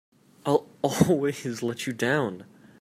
I'll always let you down!